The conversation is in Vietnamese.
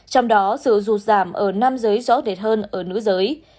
trong đó sự rụt giảm ở nam giới rõ rệt hơn ở nữ giới